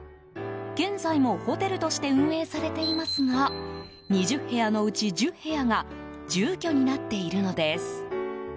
現在もホテルとして運営されていますが２０部屋のうち１０部屋が住居になっているのです。